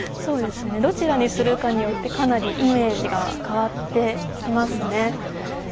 どちらにするかによってかなりイメージが変わってきますね。